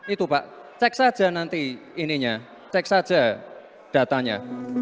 itu pak cek saja nanti ininya cek saja datanya